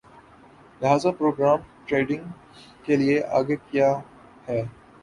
لہذا programme trading کے لیے آگے کِیا ہے